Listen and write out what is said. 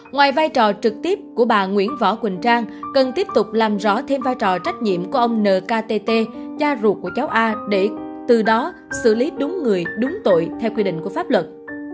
ngoài vai trò trực tiếp của bà nguyễn võ quỳnh trang cần tiếp tục làm rõ thêm vai trò trách nhiệm của ông nkt cha ruột của cháu a để từ đó xử lý đúng người đúng tội theo quy định của pháp luật